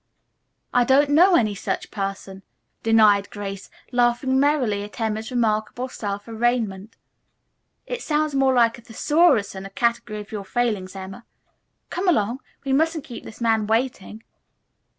'" "I don't know any such person," denied Grace, laughing merrily at Emma's remarkable self arraignment. "It sounds more like a Thesaurus than a category of your failings, Emma. Come along. We mustn't keep this man waiting."